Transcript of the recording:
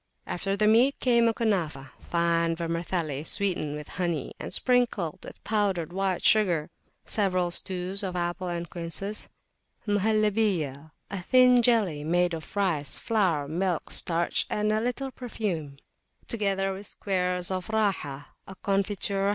After the meat came a Kunafah, fine vermicelli sweetened with honey, and sprinkled with powdered white sugar; several stews of apples and quinces; Muhallibah, a thin jelly made of rice, flour, milk, starch, and a little perfume; together with squares of Rahah,[FN#15] a confiture [p.